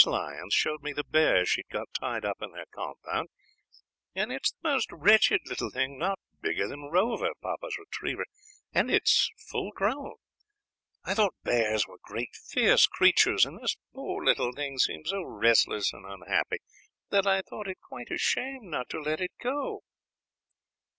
Lyons showed me the bear she has got tied up in their compound, and it is the most wretched little thing, not bigger than Rover, papa's retriever, and it's full grown. I thought bears were great fierce creatures, and this poor little thing seemed so restless and unhappy that I thought it quite a shame not to let it go."